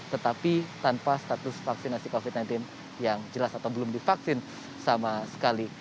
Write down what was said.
tetapi tanpa status vaksinasi covid sembilan belas yang jelas atau belum divaksin sama sekali